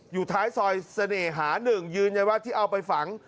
อยู่ท้ายซอยเสน่หาหนึ่งยืนในวัดที่เอาไปฝัง